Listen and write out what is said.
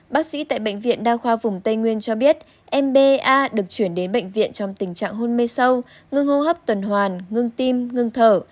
bác sĩ tại bệnh viện đa khoa vùng tây nguyên cho biết m ba được chuyển đến bệnh viện trong tình trạng hôn mê sâu ngưng hô hấp tuần hoàn ngưng tim ngưng thở